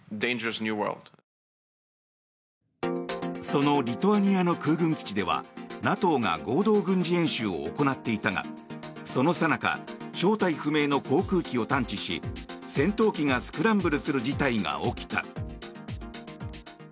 そのリトアニアの空軍基地ではＮＡＴＯが合同軍事演習を行っていたがそのさなか正体不明の航空機を探知し戦闘機がスクランブルする事態が起きた。